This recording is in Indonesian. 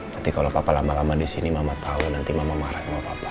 nanti kalau papa lama lama disini mama tau nanti mama marah sama papa